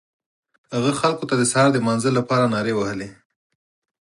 هغه خلکو ته د سهار د لمانځه لپاره نارې وهلې.